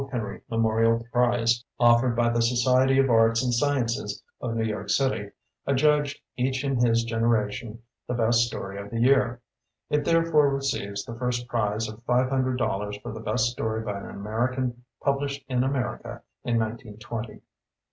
Henry Memorial Prize, of fered by the Society of Arts and Sci ences of New York City, adjudged "Each in His Generation" the best story of the year. It therefore re ceives the first prize of five hundred dollars for the best story by an Amer ican published in America in 1920.^ Mr.